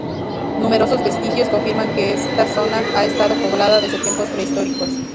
Numerosos vestigios confirman que esta zona ha estado poblada desde tiempos prehistóricos.